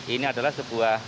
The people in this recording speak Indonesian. ini adalah sebuah